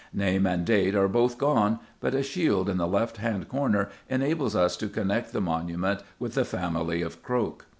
Name and date are both gone, but a shield in the left hand corner enables us to connect the monument with the family of Croke.